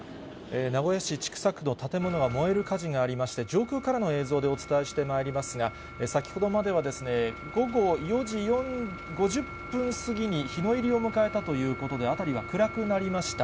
名古屋市千種区の建物が燃える火事がありまして、上空からの映像でお伝えしてまいりますが、先ほどまでは、午後４時５０分過ぎに日の入りを迎えたということで、辺りは暗くなりました。